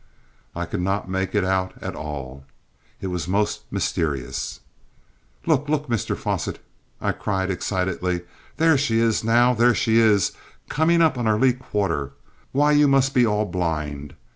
I could not make it out at all. It was most mysterious. "Look, look, Mr Fosset!" I cried excitedly. "There she is now! There she is, coming up on our lee quarter! Why, you must be all blind!